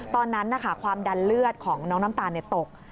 ตอนนั้นความดันเลือดของน้องน้ำตาลตก